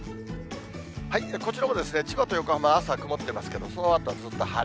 こちらも千葉と横浜は朝曇ってますけど、そのあとずっと晴れ。